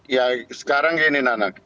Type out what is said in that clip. ya sekarang gini nana